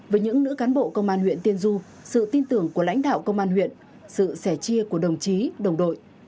với những nữ cán bộ công an huyện tiên du sự tin tưởng của lãnh đạo công an huyện sự sẻ chia của đồng chí đồng đội